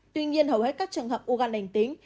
tuy nhiên hầu hết các trường hợp u gan lành tính